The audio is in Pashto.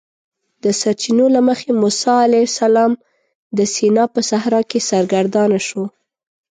د سرچینو له مخې موسی علیه السلام د سینا په صحرا کې سرګردانه شو.